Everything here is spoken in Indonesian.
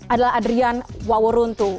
adalah adrian waworuntu